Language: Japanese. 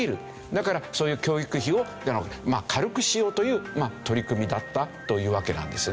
だからそういう教育費を軽くしようという取り組みだったというわけなんですね。